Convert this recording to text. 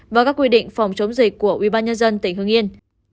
và các quy định phòng chống dịch của ubnd tỉnh hưng yên